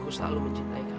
aku selalu mencintai kamu